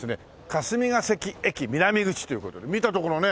霞ケ関駅南口という事で見たところね